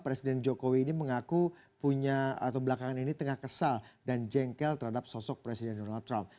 presiden jokowi ini mengaku punya atau belakangan ini tengah kesal dan jengkel terhadap sosok presiden donald trump